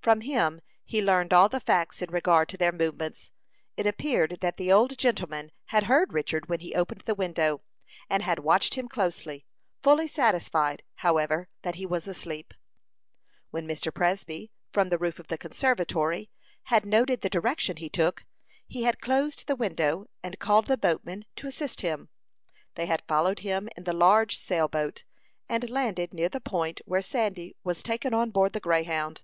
From him he learned all the facts in regard to their movements. It appeared that the old gentleman had heard Richard when he opened the window, and had watched him closely, fully satisfied, however, that he was asleep. When Mr. Presby, from the roof of the conservatory, had noted the direction he took, he had closed the window, and called the boatman to assist him. They had followed him in the large sail boat, and landed near the point where Sandy was taken on board the Greyhound.